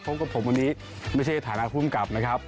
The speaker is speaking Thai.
พบกับผมวันนี้ไม่ใช่ฐานะภูมิกับนะครับ